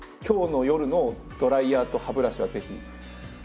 今日の夜のドライヤーと歯ブラシはぜひ。